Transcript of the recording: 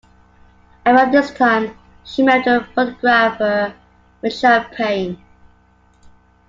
Around this time she married the photographer Mitchell Payne.